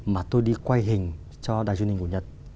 mà tôi đi quay hình cho đài truyền hình của nhật